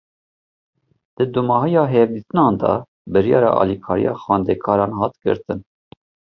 Di dûmahiya hevdîtinan de, biryara alîkariya xwendekaran hat girtin